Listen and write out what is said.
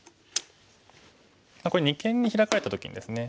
これ二間にヒラかれた時にですね。